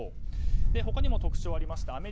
他にも特徴がありました。